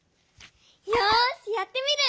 よしやってみる！